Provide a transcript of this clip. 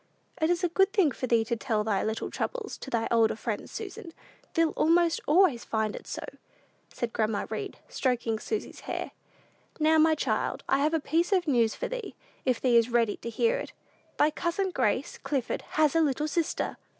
"It is a good thing for thee to tell thy little troubles to thy older friends, Susan: thee'll almost always find it so," said grandma Read, stroking Susy's hair. "Now, my child, I have a piece of news for thee, if thee is ready to hear it: thy cousin, Grace Clifford, has a little sister."